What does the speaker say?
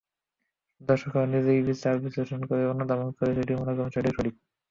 দর্শকেরা নিজেরা বিচার-বিশ্লেষণ করে, অনুধাবন করে যেটা মনে করবেন, সেটাই সঠিক।